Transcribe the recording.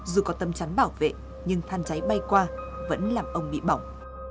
dù có tâm chắn bảo vệ nhưng than cháy bay qua vẫn làm ông bị bỏng